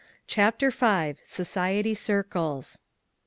CHAPTER V. SOCIETY CIKCLES.